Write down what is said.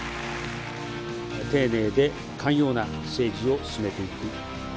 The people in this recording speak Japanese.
丁寧で寛容な政治を進めていく。